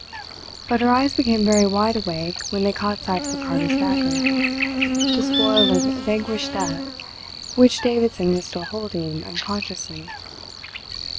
But her eyes became very wide awake when they caught sight of Ricardo's dagger, the spoil of vanquished death, which Davidson was still holding, unconsciously.